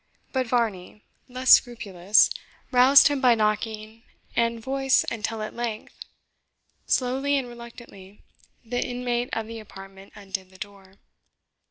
But Varney, less scrupulous, roused him by knocking and voice, until at length, slowly and reluctantly, the inmate of the apartment undid the door.